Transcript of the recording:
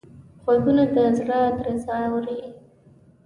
غوږونه د زړه درزا اوري